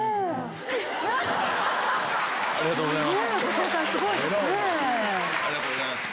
ありがとうございます。